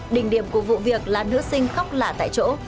đỉnh điểm của vụ việc là nữ sinh khóc lạ tại chỗ